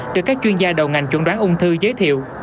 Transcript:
được các chuyên gia đầu ngành chuẩn đoán ung thư giới thiệu